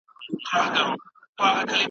د تشناب فلش سره برس لرې وساتئ.